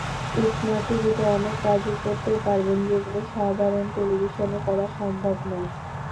Smart টিভিতে অনেক কাজই করতে পারবেন, যেগুলো সাধারণ টেলিভিশনে করা সম্ভব নয়।